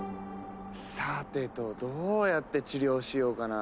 さてとどうやって治療しようかな。